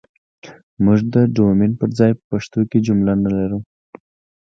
موږ ده ډومين پر ځاى په پښتو کې که جمله نه لرو